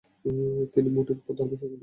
তিনি মোটেই ধর্মত্যাগী নন।